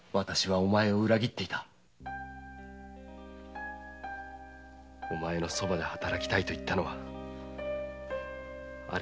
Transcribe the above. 「お前のそばで働きたい」と言ったのはウソだったのだ。